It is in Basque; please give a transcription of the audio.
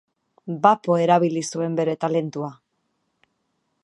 Bapo erabili zuen bere talentua.